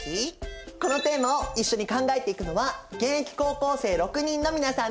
このテーマを一緒に考えていくのは現役高校生６人の皆さんです！